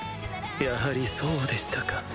やはりそうでしたか。